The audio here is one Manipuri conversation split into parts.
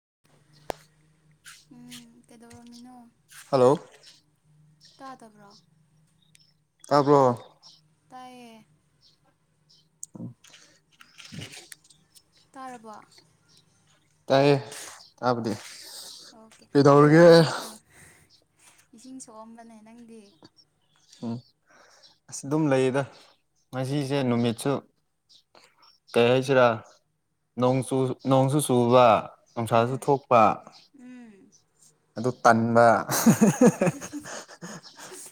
[unintelligible] ꯎꯝ ꯀꯩꯗꯧꯔꯝꯃꯤꯅꯣ ꯍꯜꯂꯣ ꯇꯥꯗꯕ꯭ꯔꯣ ꯇꯥꯕ꯭ꯔꯣ ꯇꯥꯏꯌꯦ ꯑꯣ ꯇꯥꯔꯕ‌ꯣ ꯇꯥꯏꯌꯦ ꯇꯥꯕꯗꯤ ꯑꯣꯀꯦ ꯀꯩꯗꯧꯔꯤꯒꯦ ꯀꯩꯗꯧꯔꯝꯃꯤ ꯏꯁꯤꯡ ꯁꯣꯛꯑꯝꯕꯅꯦ ꯅꯪꯗꯤ ꯎꯝ ꯑꯁ ꯑꯗꯨꯝ ꯂꯩꯌꯦꯗ ꯉꯁꯤꯁꯦ ꯅꯨꯃꯤꯠꯁꯨ ꯀꯩ ꯍꯥꯏꯁꯤꯔꯥ ꯅꯣꯡꯆꯨ ꯅꯣꯡꯁꯨꯨ ꯆꯨꯕ ꯅꯨꯡꯁꯥꯁꯨ ꯎꯝ ꯊꯣꯛꯄ ꯎꯝ ꯑꯗꯨ ꯇꯟꯕ [inaudible]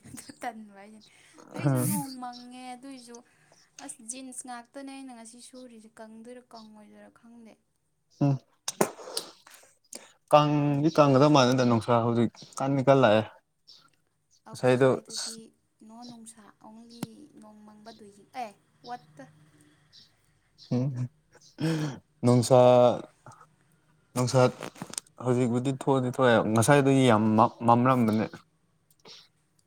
ꯑꯗꯨ ꯇꯟꯕ ꯍꯥꯏꯁꯤꯅꯦ ꯑꯩꯁꯨ ꯅꯣꯡ ꯃꯪꯉꯦ ꯑꯗꯨꯏꯁꯨ ꯑꯁ ꯖꯤꯟꯁ ꯉꯥꯛꯇꯅꯦ ꯑꯩꯅ ꯉꯁꯤ ꯁꯨꯔꯤꯁꯦ ꯀꯪꯗꯣꯏꯔꯥ ꯀꯪꯉꯣꯏꯗꯣꯏꯔꯥ ꯈꯪꯗꯦ ꯎꯝ ꯎꯝ ꯀꯥꯡꯗꯤ ꯀꯥꯡꯒꯗ ꯃꯥꯟꯅꯗꯅꯣ ꯍꯧꯖꯤꯛ ꯀꯥꯟꯅꯤ ꯀꯜꯂꯑ ꯑꯩꯈꯣꯏ ꯁ꯭ꯋꯥꯏꯗꯗꯤ ꯅꯣꯡ ꯅꯨꯡꯁꯥ ꯑꯣꯡꯂꯤ ꯅꯣꯡ ꯃꯪꯕꯗꯨꯏꯒꯤ ꯑꯦ ꯋꯥꯠꯇ ꯎꯝ ꯅꯅꯨꯡꯁꯥ ꯅꯨꯡꯁꯥꯠ ꯍꯧꯖꯤꯛꯕꯨꯗꯤ ꯊꯣꯛꯑꯗꯤ ꯊꯣꯛꯑꯦ ꯉꯁꯥꯏꯗꯨ ꯌꯥꯝ ꯃꯝꯂꯝꯝꯕꯅꯦ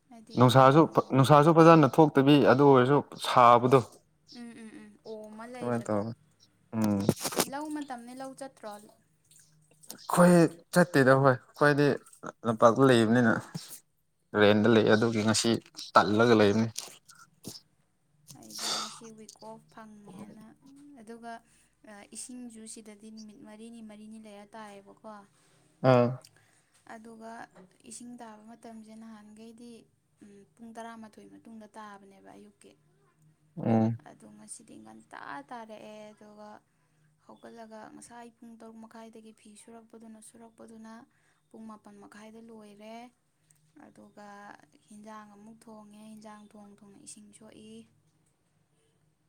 ꯍꯥꯏꯗꯤ ꯅꯨꯡꯁꯥꯁꯨ ꯎꯝ ꯅꯨꯡꯁꯥꯁꯨ ꯐꯖꯅ ꯊꯣꯛꯇꯕꯤ ꯑꯗꯨ ꯑꯣꯏꯔꯁꯨ ꯁꯥꯕꯗꯣ [inaudible] ꯎꯝ ꯎꯝ ꯎꯝ ꯑꯣꯝꯃ ꯂꯩꯕꯗꯣ ꯇꯧꯋꯦ ꯎꯝ ꯂꯧ ꯃꯇꯝꯅꯤ ꯂꯧ ꯆꯠꯇ꯭ꯔꯣ ꯑꯩꯈꯣꯏ ꯆꯠꯇꯦꯗ ꯍꯣꯏ ꯈ꯭ꯋꯥꯏꯗꯤ ꯂꯝꯄꯥꯛꯇ ꯂꯩꯕꯅꯤꯅ ꯔꯦꯟꯗ ꯑꯗ ꯂꯩ ꯑꯗꯨꯒꯤ ꯉꯁꯤ ꯇꯜꯂꯒ ꯂꯩꯔꯅꯤ ꯑꯩꯗꯤ ꯉꯁꯤ ꯋꯤꯛ ꯑꯣꯐ ꯐꯪꯉꯦꯅ ꯑꯗꯨꯒ ꯏꯁꯤꯡꯖꯨ ꯁꯤꯗꯗꯤ ꯅꯨꯃꯤꯠ ꯃꯔꯤꯅꯤ ꯃꯔꯤꯅꯤ ꯂꯩꯔ ꯇꯥꯏꯌꯦꯕꯀꯣ ꯑꯥ ꯑꯗꯨꯒ ꯏꯁꯤꯡ ꯇꯥꯕ ꯃꯇꯝꯁꯦ ꯅꯍꯥꯟꯈꯩꯗꯤ ꯄꯨꯡ ꯇꯔꯥꯃꯥꯊꯣꯏ ꯃꯇꯨꯡꯗ ꯇꯥꯕꯅꯦꯕ ꯑꯌꯨꯛꯀꯤ ꯎꯝ ꯑꯣ ꯉꯁꯤ ꯇꯤꯡꯒꯟꯇꯥ ꯇꯥꯔꯛꯑꯦ ꯑꯗꯨꯒ ꯍꯧꯒꯠꯂꯒ ꯉꯁꯥꯏ ꯄꯨꯡ ꯇꯔꯨꯛ ꯃꯈꯥꯏꯗꯒꯤ ꯐꯤ ꯁꯨꯔꯛꯄꯗꯨꯅ ꯁꯨꯔꯛꯄꯗꯨꯅ ꯄꯨꯡ ꯃꯥꯄꯜ ꯃꯈꯥꯏꯗ ꯂꯣꯏꯔꯦ ꯑꯗꯨꯒ ꯏꯟꯖꯥꯡ ꯑꯃꯨꯛ ꯊꯣꯡꯉꯦ ꯏꯟꯖꯥꯡ ꯊꯣꯡ ꯊꯣꯡꯅ ꯏꯁꯤꯡ ꯁꯣꯛꯏ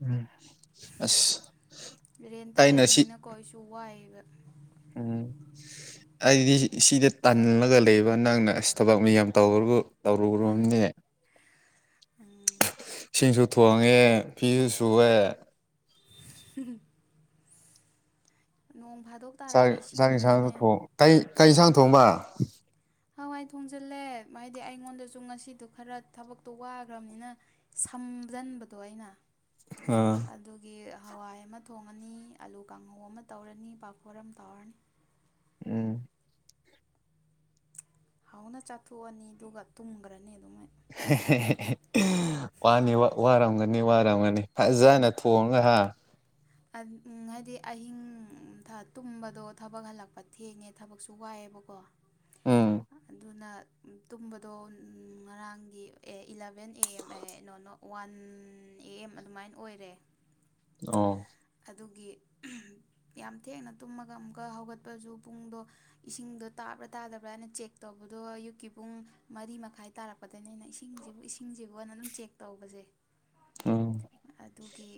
ꯎꯝ ꯑꯁ ꯔꯦꯟꯇ ꯑꯩꯅ ꯁꯤ ꯂꯩꯕꯅꯤꯅꯀꯣ ꯑꯩꯁꯨ ꯋꯥꯏꯑꯕ ꯎꯝ ꯑꯩꯗꯤ ꯁꯤꯗ ꯇꯜꯂꯒ ꯂꯩꯕ ꯅꯪꯅ ꯑꯁ ꯊꯕꯛ ꯃꯤ ꯌꯥꯝ ꯇꯧꯨ ꯑꯗꯨ ꯇꯧꯔꯨꯨꯔꯕꯅꯦ ꯎꯝ ꯏꯁꯤꯡꯁꯨ ꯊꯣꯡꯉꯦ ꯐꯤꯁꯨ ꯁꯨꯑꯦ ꯎ ꯅꯣꯡ ꯆꯥꯛ ꯇꯥꯔꯛꯄ ꯆꯥꯛ ꯌꯦꯟꯁꯥꯡ ꯏꯁꯤꯡꯅꯅꯦ ꯊꯣꯡ ꯀ ꯀ ꯌꯦꯟꯁꯥꯡ ꯊꯣꯡꯕ ꯍꯋꯥꯏ ꯊꯣꯡꯖꯤꯜꯂꯦ ꯍꯥꯏꯗꯤ ꯑꯩꯉꯣꯟꯗꯁꯨ ꯉꯁꯤꯗꯣ ꯈꯔ ꯊꯕꯛꯇꯣ ꯋꯥꯈ꯭ꯔꯕꯅꯤꯅ ꯊꯨꯝꯖꯤꯟꯕꯗꯣ ꯑꯩꯅ ꯑꯥ ꯑꯗꯨꯒꯤ ꯍꯋꯥꯏ ꯑꯃ ꯊꯣꯡꯉꯅꯤ ꯑꯂꯨ ꯀꯥꯡꯍꯧ ꯑꯃ ꯇꯧꯔꯅꯤ ꯄꯥꯐꯣꯔ ꯑꯃ ꯇꯥꯎꯔꯅꯤ ꯎꯝ ꯍꯧꯥꯎꯅ ꯆꯥꯊꯣꯛꯑꯅꯤ ꯑꯗꯨꯒ ꯇꯨꯝꯈ꯭ꯔꯅꯤ ꯑꯗꯨꯝ ꯋꯥꯅꯤ ꯋꯥꯔꯝꯒꯅꯤ ꯋꯥꯔꯝꯒꯅꯤ ꯐꯖꯅ ꯊꯣꯡꯉꯒ ꯍꯥꯥ ꯍꯥꯏꯗꯤ ꯑꯍꯤꯡ ꯇꯨꯝꯕꯗꯣ ꯊꯕꯛ ꯍꯜꯂꯛꯄ ꯊꯦꯡꯉꯦ ꯊꯕꯛꯁꯨ ꯋꯥꯏꯑꯦ ꯕꯀꯣ ꯎꯝ ꯑꯗꯨꯅ ꯇꯨꯝꯕꯗꯣ ꯉꯔꯥꯡꯒꯤ ꯑꯦ ꯏꯂꯕꯦꯟ ꯑꯦ ꯑꯦꯝ ꯑꯦ ꯅꯣꯅ ꯋꯥꯟ ꯑꯦ ꯑꯦꯝ ꯑꯗꯨꯃꯥꯏꯅ ꯑꯣꯏꯔꯦ ꯑꯣ ꯑꯗꯨꯒꯤ ꯌꯥꯝ ꯊꯦꯡꯅ ꯇꯨꯝꯃꯒ ꯑꯃꯨꯛꯀ ꯍꯧꯒꯠꯄꯁꯨ ꯄꯨꯡꯗꯣ ꯏꯁꯤꯡꯗꯣ ꯇꯥꯕ꯭ꯔꯥ ꯇꯥꯗꯕ꯭ꯔꯥꯅ ꯆꯦꯛ ꯇꯧꯕꯗꯣ ꯑꯌꯨꯛꯀꯤ ꯄꯨꯡ ꯃꯔꯤ ꯃꯈꯥꯏ ꯇꯥꯔꯛꯄꯗꯒꯤꯅꯦ ꯑꯩꯅ ꯏꯁꯤꯡꯁꯤꯕꯨ ꯏꯁꯤꯡꯁꯤꯕꯨ ꯑꯣꯏꯅ ꯑꯗꯨꯝ ꯆꯦꯛ ꯇꯧꯕꯁꯦ ꯎꯝ ꯑꯗꯨꯒꯤ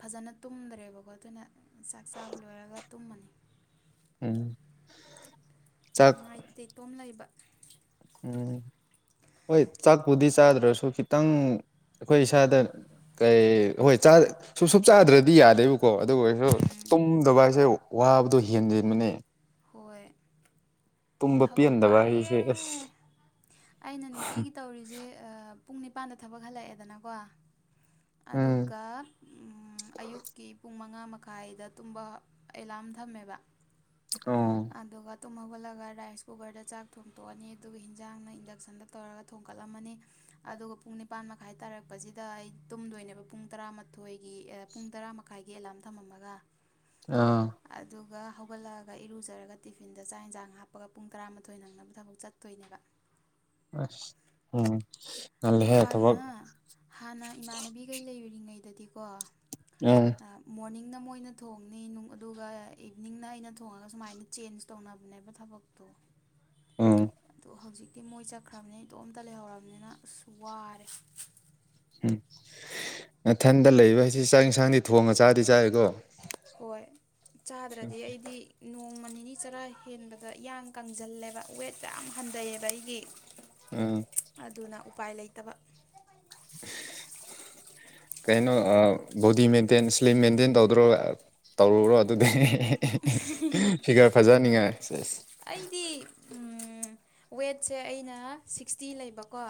ꯐꯖꯅ ꯇꯨꯝꯗ꯭ꯔꯦ ꯑꯗꯨꯅ ꯆꯥꯛ ꯆꯥꯕ ꯂꯣꯏꯔꯒ ꯇꯨꯝꯃꯅꯤ ꯎꯝ ꯆꯥꯛ ꯅꯨꯡꯉꯥꯏꯇꯦ ꯇꯣꯝ ꯂꯩꯕ ꯎꯝ ꯍꯣꯏ ꯆꯥꯛꯄꯨꯗꯤ ꯆꯥꯗ꯭ꯔꯁꯨ ꯈꯤꯇꯪ ꯑꯩꯈꯣꯏ ꯏꯁꯥꯗ ꯀꯩ ꯍꯣꯏ ꯁꯨꯡ ꯁ ꯆꯥꯗ꯭ꯔꯗꯤ ꯌꯥꯗꯦꯕ ꯀꯣ ꯑꯗꯨ ꯑꯣꯏꯔꯁꯨ ꯎꯝ ꯇꯨꯝꯗꯕ ꯍꯥꯏꯁꯦ ꯋꯥꯕꯗꯣ ꯍꯦꯟꯖꯟꯕꯅꯦ ꯍꯣꯏ ꯊꯕꯛ ꯄꯦꯟꯗꯕ ꯍꯥꯏꯁꯦ ꯋꯥꯏꯑꯦ ꯑꯁ ꯑꯩꯅ ꯅꯨꯡꯇꯤꯒꯤ ꯇꯧꯔꯤꯁꯦ ꯄꯨꯡ ꯅꯤꯄꯥꯟꯗ ꯊꯕꯛ ꯍꯜꯂꯛꯑꯦꯗꯅꯀꯣ ꯎꯝ ꯑꯗꯨꯒ ꯑꯌꯨꯛꯀꯤ ꯄꯨꯡ ꯃꯈꯥꯏꯗ ꯇꯨꯝꯕ ꯑꯦꯂꯥꯔꯝ ꯊꯝꯃꯦꯕ ꯑꯣ ꯑꯗꯨꯒ ꯇꯃꯣꯂꯒ ꯔꯥꯏꯁ ꯀꯨꯀꯔꯗ ꯆꯥꯛ ꯊꯣꯡꯇꯣꯛꯑꯅꯤ ꯑꯗꯨꯒ ꯍꯤꯟꯖꯥꯡꯅ ꯏꯟꯗꯛꯁꯟꯗ ꯇꯧꯔꯒ ꯊꯣꯡꯀꯠꯂꯝꯃꯅꯤ ꯑꯗꯨꯒ ꯄꯨꯡ ꯅꯤꯄꯥꯟ ꯃꯈꯥꯏ ꯇꯥꯔꯛꯄꯁꯤꯗ ꯑꯩ ꯇꯨꯝꯗꯣꯏꯅꯦꯕ ꯄꯨꯡ ꯇꯔꯥꯃꯥꯊꯣꯏꯒꯤ ꯄꯨꯡ ꯇꯔꯥ ꯃꯈꯥꯏꯒꯤ ꯑꯦꯂꯥꯔꯝ ꯊꯝ ꯃꯝꯃꯒ ꯑꯥ ꯑꯗꯨꯒ ꯍꯧꯒꯠꯂꯛꯑꯒ ꯏꯔꯨꯖꯔꯒ ꯇꯤꯐꯤꯟꯗ ꯆꯥꯛ ꯏꯟꯖꯥꯡ ꯍꯥꯞ ꯄꯒ ꯄꯨꯡ ꯇꯔꯥꯃꯥꯊꯣꯏ ꯅꯪꯅꯕ ꯊꯕꯛ ꯆꯠꯇꯣꯏꯅꯦꯕ ꯑꯁ ꯎꯝ ꯑꯗꯣ ꯉꯜꯂꯦꯍꯦ ꯍꯥꯟꯅ ꯊꯕꯛ ꯍꯥꯟꯅ ꯏꯃꯥꯟꯅꯕꯤꯈꯩ ꯂꯩꯨꯔꯤꯉꯩꯗꯗꯤꯀꯣ ꯎꯝ ꯃꯣꯔꯅꯤꯡ ꯅ ꯃꯣꯏꯅ ꯊꯣꯡꯅꯤꯅꯨꯡ ꯑꯗꯨꯒ ꯏꯚꯅꯤꯡꯅ ꯑꯩꯅ ꯊꯣꯡꯉꯒ ꯁꯨꯃꯥꯏꯅ ꯆꯦꯟꯖ ꯇꯧꯅꯕꯅꯦꯕ ꯊꯕꯛꯇꯣ [inaudible] ꯎꯝ ꯑꯗꯣ ꯍꯧꯖꯤꯛꯇꯤ ꯃꯣꯏ ꯆꯠꯈ꯭ꯔꯕꯅꯤꯅ ꯏꯇꯣꯝꯇ ꯂꯩꯍꯧꯔꯕꯅꯤꯅ ꯑꯁꯨ ꯋꯥꯔꯦ ꯎꯝ ꯃꯊꯟꯗ ꯂꯩꯕ ꯍꯥꯏꯁꯤ ꯆꯥꯛ ꯌꯦꯟꯁꯥꯡꯗꯤ ꯊꯣꯡꯉ ꯆꯥꯗꯤ ꯆꯥ ꯍꯣꯏ ꯆꯥꯗ꯭ꯔꯗꯤ ꯑꯩꯗꯤ ꯅꯣꯡꯃ ꯅꯤꯅꯤ ꯆꯔꯥ ꯍꯦꯟꯕꯗ ꯏꯡ ꯀꯪꯁꯤꯜꯂꯦꯕ ꯋꯦꯠ ꯌꯥꯝ ꯍꯟꯊꯩꯑꯕ ꯑꯩꯒꯤ ꯑꯥ ꯑꯗꯨꯅ ꯎꯄꯥꯏ ꯂꯩꯇꯕ ꯀꯩꯅꯣ ꯕꯣꯗꯤ ꯃꯦꯟꯇꯦꯟ ꯁ꯭ꯂꯤꯝ ꯃꯦꯟꯇꯦꯟ ꯇꯧꯗ꯭ꯔꯣ ꯇꯧꯔꯨꯔꯣ ꯑꯗꯨꯗꯤ ꯐꯤꯒꯔ ꯐꯖꯅꯤꯡꯉꯥꯏ ꯑꯩꯗꯤ ꯋꯦꯠꯁꯦ ꯑꯩꯅ ꯁꯤꯛꯁꯇꯤ ꯂꯩꯕꯀꯣ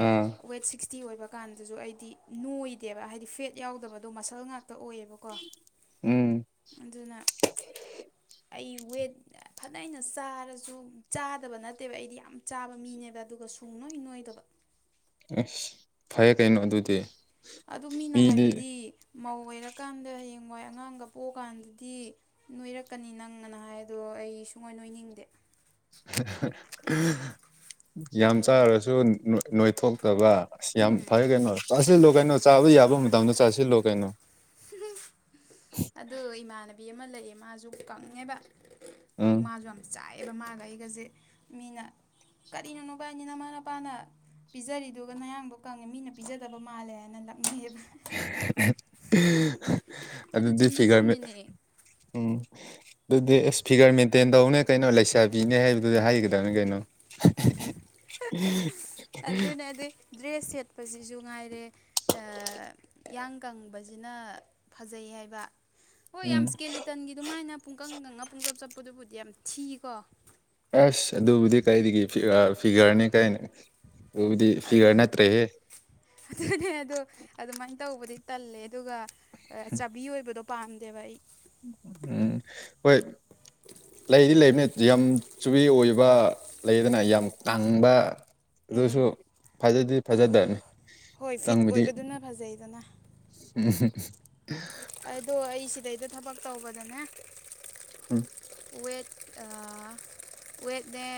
ꯑꯥ ꯋꯦꯠ ꯁꯤꯁꯇꯤ ꯇꯤ ꯑꯣꯏꯕ ꯀꯥꯟꯗꯁꯨ ꯑꯩꯗꯤ ꯅꯣꯏꯗꯦꯕ ꯍꯥꯏꯗꯤ ꯐꯦꯠ ꯌꯥꯎꯗꯕꯗꯣ ꯃꯁꯜ ꯉꯥꯛꯇ ꯇ ꯑꯣꯏꯌꯦꯕꯀꯣ ꯎꯝ ꯑꯗꯨꯅ ꯑꯩ ꯋꯦꯠ ꯐꯅꯩꯅ ꯆꯥꯔꯁꯨ ꯆꯥꯗꯕ ꯅꯠꯇꯦꯕ ꯑꯩꯗꯤ ꯌꯥꯝ ꯆꯥꯕ ꯃꯤꯅꯦꯕ ꯑꯗꯨꯒ ꯀ ꯁꯨꯡ ꯅꯣꯏ ꯅꯣꯏꯗꯕ ꯑꯁ ꯐꯩꯌꯦ ꯀꯩꯅꯣ ꯑꯗꯨꯗꯤ ꯑꯗꯨ ꯃꯤꯅ ꯃꯤꯗꯤ ꯍꯥꯏꯕꯗꯤ ꯃꯧ ꯑꯣꯏꯔꯀꯥꯟꯗ ꯍꯌꯦꯡꯋꯥꯏ ꯑꯉꯥꯡꯒ ꯄꯣꯛꯑꯀꯥꯟꯗꯗꯤ ꯅꯣꯏꯔꯛꯀꯅꯤ ꯅꯪꯒ ꯑꯅ ꯍꯥꯏ ꯑꯗꯣ ꯍꯣꯏ ꯑꯩ ꯁꯨꯡꯅꯣꯏ ꯅꯣꯏꯅꯤꯡꯗꯦ ꯌꯥꯝ ꯑꯩ ꯆꯥꯔꯁꯨ ꯅꯣꯏꯊꯣꯛ ꯑꯗꯨꯒ ꯑꯁ ꯌꯥꯝ ꯎꯝ ꯐꯔꯦ ꯀꯩꯅꯣ ꯆꯥꯁꯤꯜꯂꯣ ꯀꯩꯅꯣ ꯆꯥꯕ ꯌꯥꯕ ꯃꯇꯝꯗ ꯆꯥꯁꯤꯜꯂꯣ ꯀꯩꯅꯣ ꯎꯝ ꯑꯗꯨ ꯏꯃꯥꯟꯅꯕꯤ ꯑꯃ ꯂꯩꯌꯦ ꯃꯥꯁꯨ ꯀꯪꯉꯦꯕ ꯑꯗꯨ ꯎꯝ ꯃꯥꯁꯨ ꯌꯥꯝ ꯆꯥꯏ ꯑꯦꯗꯣ ꯃꯥꯒ ꯑꯩꯒꯁꯦ ꯃꯤꯅ ꯀꯔꯤꯅꯣ ꯅꯣꯕꯥꯅꯤ ꯅꯃꯥ ꯅꯄꯥꯅ ꯄꯤꯖꯔꯤꯗꯨꯒ ꯅꯌꯥꯡꯗꯣ ꯀꯪꯉꯦ ꯃꯤꯅ ꯄꯤꯖꯗꯕ ꯃꯥꯜꯂꯦ ꯍꯥꯏꯅ ꯂꯅꯩ ꯑꯗꯨ ꯑꯗꯨꯗ ꯆꯨꯝꯁꯨ ꯐꯤꯒꯔ ꯃ ꯆꯨꯝꯃꯤꯅꯦ ꯎꯝ ꯑꯗꯨꯗꯤ ꯑꯦꯁ ꯐꯤꯒꯔ ꯃꯦꯟꯇꯦꯟ ꯇꯧꯅꯦ ꯀꯩꯅꯣ ꯂꯩꯁꯥꯕꯤꯅꯦ ꯍꯥꯏꯕꯗꯨꯗꯤ ꯍꯥꯏꯒꯗꯕꯅꯤ ꯀꯩꯅꯣ ꯑꯗꯨꯅ ꯑꯗꯨ ꯗ꯭ꯔꯦꯁ ꯁꯦꯠꯄ ꯁꯨ ꯉꯥꯏꯔꯦ ꯏꯌꯥꯡ ꯀꯪꯕꯁꯤꯅ ꯐꯖꯩ ꯍꯥꯏꯕ ꯍꯣꯏ ꯎꯝ ꯌꯥꯝ ꯏꯁꯀꯦꯂꯤꯇꯟꯒꯤ ꯑꯗꯨꯃꯥꯏꯅ ꯄꯨꯡꯀꯪꯗꯪꯅ ꯄꯨꯡꯆꯞ ꯆꯠꯄꯗꯨꯕꯨꯗꯤ ꯌꯥꯝ ꯊꯤꯀꯣ ꯑꯁ ꯑꯗꯨꯕꯨꯗꯤ ꯀꯩꯗꯒꯤ ꯐꯤꯒꯔꯅꯤ ꯀꯥꯏꯅꯦ ꯑꯗꯨꯅꯦ ꯑ ꯑꯗꯨꯃꯥꯢ ꯇꯧꯕꯗꯤ ꯇꯜꯂꯦ ꯑꯗꯨꯒ ꯆꯥꯕꯤ ꯑꯣꯏꯕꯗꯣ ꯄꯥꯝꯗꯦꯕ ꯑꯩ ꯎꯝ ꯍꯣꯏ ꯂꯩꯗꯤ ꯂꯩꯃꯦ ꯌꯥꯝ ꯆꯨꯕꯤ ꯑꯣꯏꯕ ꯂꯩꯗꯅ ꯌꯥꯝ ꯇꯥꯡꯕ ꯑꯗꯨꯁꯨ ꯎꯝ ꯐꯖꯗꯤ ꯐꯖꯗꯕꯅꯤ ꯍꯣꯏ ꯐꯤꯠ ꯇꯪꯕꯗꯤ ꯑꯣꯏꯕꯗꯨꯅ ꯐꯖꯩꯗꯅ ꯎꯝ ꯑꯗꯣ ꯑꯩ ꯁꯤꯗꯩꯗ ꯊꯕꯛ ꯇꯧꯕꯗꯅꯦ ꯍ ꯋꯦꯠ ꯋꯦꯠꯅꯦ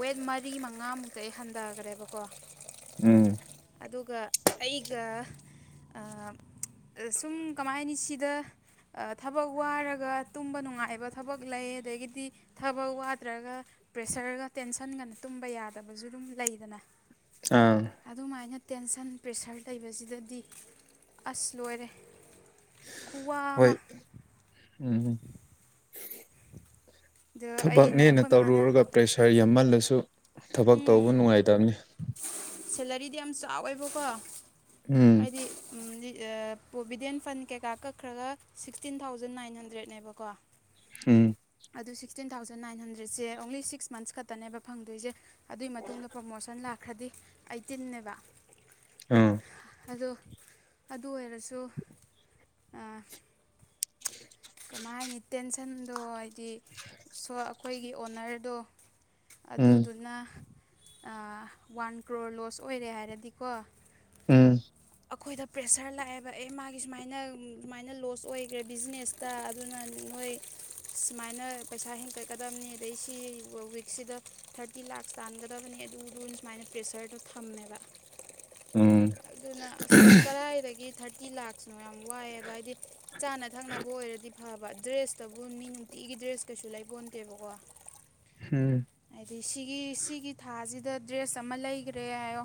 ꯋꯦꯠ ꯃꯔꯤ ꯃꯉꯥꯃꯨꯛꯇ ꯑꯩ ꯍꯟꯊꯈ꯭ꯔꯦꯕꯀꯣ ꯎꯝ ꯑꯗꯨꯒ ꯑꯩꯒ ꯁꯨꯝ ꯀꯃꯥꯏꯅꯤ ꯁꯤꯗ ꯊꯕꯛ ꯋꯥꯔꯒ ꯇꯨꯝꯕ ꯅꯨꯡꯉꯥꯏꯕ ꯊꯕꯛ ꯂꯩ ꯑꯗꯒꯤꯗꯤ ꯊꯕꯛ ꯋꯥꯗ꯭ꯔꯒ ꯄ꯭ꯔꯦꯁꯔꯒ ꯇꯦꯟꯁꯟꯒꯅ ꯇꯨꯝꯕ ꯌꯥꯗꯕꯁꯨ ꯑꯗꯨꯝ ꯂꯩꯗꯅ ꯑꯥ ꯑꯗꯨꯃꯥꯏꯅ ꯇꯦꯟꯁꯟ ꯄ꯭ꯔꯦꯁꯔ ꯂꯩꯕꯁꯤꯗꯗꯤ ꯑꯁ ꯂꯣꯏꯔꯦ ꯈꯨꯋꯥ ꯑꯃ ꯍꯣꯏ ꯎꯝ ꯑꯗ ꯑꯩꯅ ꯊꯕꯛꯅꯦꯅ ꯑꯩꯈꯣꯏ ꯃꯥꯅ ꯇꯧꯔꯨꯔꯒ ꯄ꯭ꯔꯦꯁꯔ ꯌꯥꯝꯍꯜꯂ ꯁꯨ ꯊꯕꯛ ꯇꯧꯕ ꯎꯝ ꯅꯨꯡꯉꯥꯏꯇꯕꯅꯤ ꯁꯦꯂꯔꯤꯗꯤ ꯌꯥꯝ ꯆꯥꯎꯋꯦꯕꯀꯣ ꯎꯝ ꯍꯥꯏꯗꯤ ꯄ꯭ꯔꯣꯕꯤꯗꯦꯟ ꯐꯟ ꯀꯩꯀꯥ ꯀꯛꯈ꯭ꯔꯒ ꯁꯤꯛꯁꯇꯤꯟ ꯊꯥꯎꯖꯟ ꯅꯥꯏꯟ ꯍꯟꯗ꯭ꯔꯦꯗꯅꯦꯕꯀꯣ ꯎꯝ ꯑꯗꯨ ꯁꯤꯛꯁꯇꯤꯟ ꯊꯥꯎꯖꯟ ꯅꯥꯏꯟ ꯍꯟꯗ꯭ꯔꯦꯠꯁꯦ ꯑꯣꯡꯂꯤ ꯁꯤꯛꯁ ꯃꯟꯁ ꯈꯛꯇꯅꯦꯕ ꯐꯪꯗꯣꯏꯁꯦ ꯑꯗꯨꯏ ꯃꯇꯨꯡꯗ ꯄ꯭ꯔꯣꯃꯣꯁꯟ ꯂꯥꯛꯈ꯭ꯔꯗꯤ ꯑꯩꯇꯤꯟꯅꯦꯕ ꯑꯥ ꯑꯗꯣ ꯑꯗꯨ ꯑꯣꯏꯔꯁꯨ ꯏꯊꯟꯗꯣ ꯍꯥꯏꯗꯤ ꯁꯣ ꯑꯩꯈꯣꯏꯒꯤ ꯑꯣꯅꯔꯗꯣ ꯎꯝ ꯑꯗꯨꯗꯨꯅ ꯋꯥꯟ ꯀ꯭ꯔꯣꯔ ꯂꯣꯁ ꯑꯣꯏꯔꯦ ꯍꯥꯏꯔꯗꯤꯀꯣ ꯎꯝ ꯑꯩꯈꯣꯏꯗ ꯄ꯭ꯔꯦꯁꯔ ꯂꯥꯛꯑꯦꯕ ꯑꯦ ꯃꯥꯒꯤ ꯁꯨꯃꯥꯏꯅ ꯁꯨꯃꯥꯏꯅ ꯂꯣꯁ ꯑꯣꯏꯈ꯭ꯔꯦ ꯕꯤꯖꯤꯅꯦꯁ ꯇ ꯑꯗꯨꯅ ꯃꯣꯏ ꯁꯨꯃꯥꯏꯅ ꯄꯩꯁꯥ ꯍꯦꯟꯀꯠꯀꯗꯕꯅꯤ ꯑꯗꯩ ꯁꯤ ꯋꯤꯛꯁꯤꯗ ꯊꯥꯔꯇꯤ ꯂꯥꯛꯁ ꯇꯥꯟꯒꯗꯕꯅꯤ ꯑꯗꯨꯗꯨ ꯁꯨꯃꯥꯏꯅ ꯄ꯭ꯔꯦꯁꯔꯗꯣ ꯊꯝꯃꯦꯕ ꯎꯝ ꯑꯗꯨꯅ ꯑꯁ ꯀꯗꯥꯥꯏꯗꯒꯤ ꯊꯥꯔꯇꯤ ꯂꯥꯛꯁꯨ ꯌꯥꯝ ꯋꯥꯏꯑꯦꯕ ꯍꯥꯏꯗꯤ ꯆꯥꯅ ꯊꯛꯅꯕ ꯕꯨ ꯑꯣꯏꯔꯗꯤ ꯐꯕ ꯗ꯭ꯔꯦꯁꯇꯕꯨ ꯃꯤ ꯅꯨꯡꯇꯤꯒꯤ ꯗ꯭ꯔꯦꯁ ꯀꯩꯁꯨ ꯂꯩꯕꯣꯟꯇꯦꯕꯀꯣ ꯎꯝ ꯍꯥꯏꯗꯤ ꯁꯤꯒꯤ ꯁꯤꯒꯤ ꯊꯥꯁꯤꯗ ꯗ꯭ꯔꯦꯁ ꯑꯃ ꯂꯩꯈ꯭ꯔꯦ ꯍꯥꯏꯌꯣ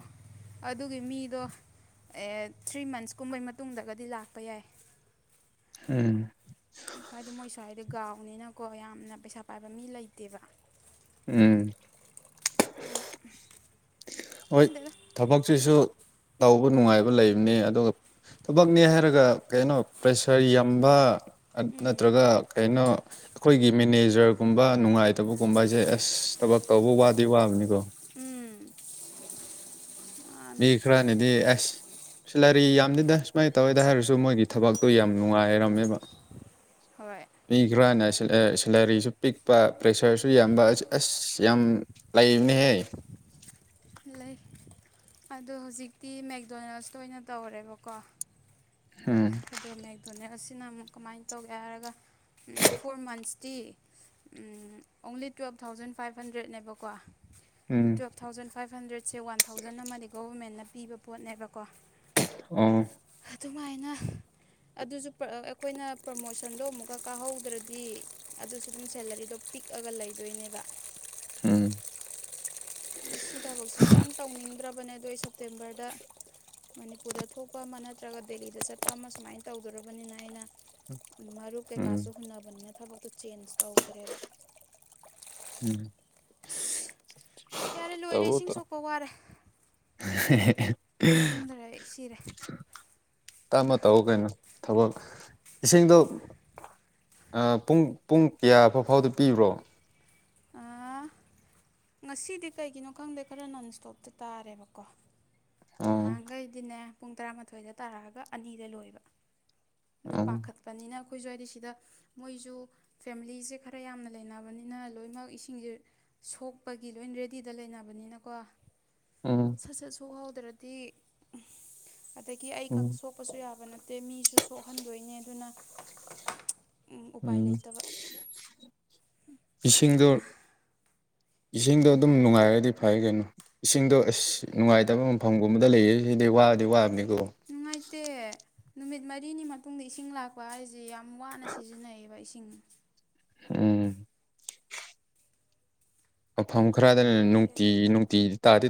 ꯑꯗꯨꯒꯤ ꯃꯤꯗꯣ ꯑꯦ ꯊ꯭ꯔꯤ ꯃꯟꯁꯀꯨꯝꯕꯩ ꯃꯇꯨꯡꯗꯒꯗꯤ ꯂꯥꯛꯄ ꯌꯥꯏ ꯎꯝ ꯍꯥꯏꯗꯤ ꯃꯣꯏ ꯁ꯭ꯋꯥꯏꯗ ꯒꯥꯎꯅꯤꯅꯀꯣ ꯌꯥꯝꯅ ꯄꯩꯁꯥ ꯄꯥꯏꯕ ꯃꯤ ꯂꯩꯇꯦꯕ ꯎꯝ ꯑꯗ ꯍꯣꯏ ꯊꯕꯛꯁꯤꯁꯨ ꯇꯧꯕ ꯅꯨꯡꯉꯥꯏꯕ ꯂꯩꯕꯅꯤ ꯑꯗꯨꯒ ꯊꯕꯛꯅꯦ ꯍꯥꯏꯔꯒ ꯀꯩꯅꯣ ꯄ꯭ꯔꯦꯁꯔ ꯌꯥꯝꯕ ꯎꯝ ꯅꯠꯇ꯭ꯔꯒ ꯀꯩꯅꯣ ꯑꯩꯈꯣꯏꯒꯤ ꯃꯦꯅꯦꯖꯔꯒꯨꯝꯕ ꯅꯨꯡꯉꯥꯏꯇꯕꯒꯨꯝꯕ ꯍꯥꯏꯁꯦ ꯑꯁ ꯊꯕꯛ ꯇꯧꯕ ꯋꯥꯗꯤ ꯋꯥꯕꯅꯤꯀꯣ ꯎꯝ ꯃꯥꯅꯤ ꯃꯤ ꯈꯔꯥ ꯅꯗꯤ ꯑꯁ ꯁꯤꯂꯔꯤ ꯌꯥꯝꯅꯤꯗ ꯁꯨꯃꯥꯏꯅ ꯇꯧꯋꯦꯗ ꯍꯥꯏꯔꯁꯨ ꯃꯣꯏꯒꯤ ꯊꯕꯛꯇꯣ ꯌꯥꯝ ꯅꯨꯡꯉꯥꯏꯔꯝꯃꯦꯕ ꯍꯣꯏ ꯏ ꯈ꯭ꯔꯅꯁ ꯑꯦ ꯀꯦꯂꯔꯤꯁꯨ ꯄꯤꯛꯄ ꯄ꯭ꯔꯦꯁꯔꯁꯨ ꯌꯥꯝꯕ ꯑ ꯑꯁ ꯌꯥꯝ ꯂꯩꯕꯅꯦꯍꯦ [unintelligible] ꯂꯩ ꯑꯗꯣ ꯍꯧꯖꯤꯛꯇꯤ ꯃꯦꯛꯗꯣꯅꯦꯜꯁꯇ ꯑꯣꯏꯅ ꯇꯧꯔꯦꯕꯀꯣ ꯎꯝ ꯑꯗꯣ ꯃꯦꯛꯗꯣꯅꯦꯜꯁꯤꯅ ꯑꯃꯨꯛ ꯀꯃꯥꯏꯅ ꯇꯧꯒꯦ ꯍꯥꯏꯔꯒ ꯐꯣꯔ ꯃꯟꯁ ꯇꯤ ꯑꯣꯡꯂꯤ ꯇꯨꯋꯦꯜꯞ ꯊꯥꯎꯖꯟ ꯐꯥꯏꯚ ꯍꯟꯗ꯭ꯔꯦꯗꯅꯦꯕꯀꯣ ꯎꯝ ꯇꯨꯌꯦꯜꯞ ꯊꯥꯎꯖꯟ ꯐꯥꯏꯚ ꯍꯟꯗ꯭ꯔꯦꯠꯁꯦ ꯋꯥꯟ ꯊꯥꯎꯖꯟ ꯑꯃꯗꯤ ꯒꯣꯚꯔꯃꯦꯟꯅ ꯄꯤꯕ ꯄꯣꯠꯅꯦꯕꯀꯣ ꯑ ꯑꯗꯨꯃꯥꯏꯅ ꯑꯗꯨꯁꯨ ꯑꯩꯈꯣꯏꯅ ꯄ꯭ꯔꯃꯣꯁꯟꯗꯣ ꯑꯃꯨꯛꯀ ꯀꯥꯍꯧꯗ꯭ꯔꯗꯤ ꯑꯗꯨꯁꯨ ꯑꯗꯨꯝ ꯁꯦꯂꯔꯤꯗꯣ ꯄꯤꯛ ꯀꯛꯑꯒ ꯂꯩꯗꯣꯏꯅꯦꯕ ꯎꯝ ꯑ ꯁꯤ ꯊꯕꯛꯁꯤꯁꯨ ꯌꯥꯝ ꯇꯧꯅꯤꯡꯗ꯭ꯔꯕꯅꯦ ꯑꯗꯣ ꯑꯩ ꯁꯦꯞꯇꯦꯝꯕꯔꯗ ꯃꯅꯤꯄꯨꯔꯗ ꯊꯣꯛꯄ ꯑꯃ ꯅꯠꯇ꯭ꯔꯒ ꯗꯦꯜꯂꯤꯗ ꯆꯠꯄ ꯑꯃ ꯁꯨꯃꯥꯏꯅ ꯇꯧꯗꯧꯔꯕꯅꯤꯅ ꯑꯩꯅ ꯑꯗꯨ ꯃꯔꯨꯞ ꯀꯩꯀꯥꯁꯨ ꯎꯝ ꯍꯨꯟꯅꯕꯅꯤꯅ ꯊꯕꯛꯇꯣ ꯆꯦꯟꯖ ꯇꯧꯗ꯭ꯔꯦꯕ ꯎꯝ ꯑꯁ ꯌꯥꯔꯦ ꯂꯣꯏꯔꯦ ꯇꯧ ꯏꯁꯤꯡ ꯇꯧ ꯁꯣꯛꯄ ꯋꯥꯔꯦ [unintelligible] ꯐꯨꯝꯗꯔꯦ ꯁꯤꯔꯦ ꯇꯞꯃ ꯇꯧ ꯀꯩꯅꯣ ꯊꯕꯛ ꯏꯁꯤꯡꯗꯣ ꯄꯨꯡ ꯄꯨꯡ ꯀꯌꯥ ꯐꯥꯎꯗ ꯄꯤꯕ꯭ꯔꯣ ꯑ ꯉꯁꯤꯗꯤ ꯀꯩꯒꯤꯅꯣ ꯈꯪꯗꯦ ꯈꯔ ꯅꯟ ꯏꯁꯇꯣꯞꯇ ꯇꯥꯔꯦꯕꯀꯣ ꯑꯣ ꯅꯍꯥꯟꯈꯩꯗꯤꯅꯦ ꯄꯨꯡ ꯇꯔꯥꯃꯥꯊꯣꯏꯗ ꯇꯥꯔꯛꯑꯒ ꯑꯅꯤꯗ ꯂꯣꯏꯕ ꯑꯗꯨ ꯎꯝ ꯄꯥꯈꯠꯄꯅꯤꯅ ꯑꯩꯈꯣꯏ ꯁ꯭ꯋꯥꯏꯗꯤ ꯁꯤꯗ ꯃꯣꯏꯁꯨ ꯐꯦꯃꯤꯂꯤꯁꯦ ꯈꯔ ꯌꯥꯝꯅ ꯂꯩꯅꯕꯅꯤꯅ ꯂꯣꯏꯅꯃꯛ ꯏꯁꯤꯡꯁꯦ ꯁꯣꯛꯄꯒꯤ ꯂꯣꯏ ꯔꯦꯗꯤꯗ ꯂꯩꯅꯕꯅꯤꯅꯀꯣ ꯎꯝ ꯁꯠ ꯁꯠ ꯁꯣꯛꯍꯧꯗ꯭ꯔꯗꯤ ꯑꯗꯒꯤ ꯑꯩꯈꯛ ꯎꯝ ꯁꯣꯛꯄꯁꯨ ꯌꯥꯕ ꯅꯠꯇ ꯃꯤꯁꯨ ꯁꯣꯛꯍꯟꯗꯣꯏꯅꯦ ꯑꯗꯨꯅ ꯎꯄꯥꯏ ꯎꯝ ꯂꯩꯇꯕ ꯑꯩ ꯏꯁꯤꯡꯗꯨꯜ ꯑꯣꯏꯃ ꯏꯁꯤꯡꯗꯣ ꯑꯗꯨꯝ ꯅꯨꯡꯉꯥꯏꯔꯗꯤ ꯐꯩ ꯀꯩꯅꯣ ꯏꯁꯤꯡꯗꯣ ꯑꯁ ꯅꯨꯡꯉꯥꯏꯇꯕ ꯃꯐꯝꯒꯨꯝꯕꯗ ꯂꯩꯌꯦ ꯁꯤꯗꯤ [unintelligible] ꯅꯨꯡꯉꯥꯏꯇ ꯅꯨꯃꯤꯠ ꯃꯔꯤꯅꯤ ꯃꯇꯨꯡꯗ ꯏꯁꯤꯡ ꯂꯥꯛꯄ ꯍꯥꯏꯁꯤꯦ ꯌꯥꯝ ꯋꯥꯅ ꯁꯤꯖꯤꯟꯅꯩꯌꯦꯕ ꯏꯁꯤꯡ ꯑꯝ ꯃꯐꯝ ꯈꯔꯗ ꯑꯣꯀꯦ ꯅꯨꯡꯇꯤ ꯅꯨꯡꯇꯤ ꯇꯥꯗꯤ